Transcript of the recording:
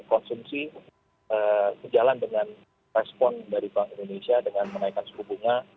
konsumsi sejalan dengan respon dari bank indonesia dengan menaikkan suku bunga